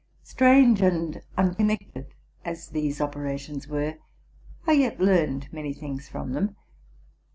Strange and unconnected as these operations were, I yet learned many things from them.